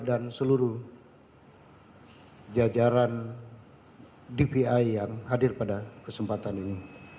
dan seluruh jajaran dvi yang hadir pada kesempatan ini